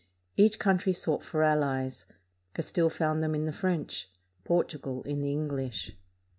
Each country sought for allies. Castile found them in the French; Portugal in the English.